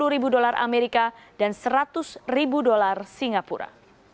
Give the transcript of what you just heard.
sepuluh ribu dolar amerika dan seratus ribu dolar singapura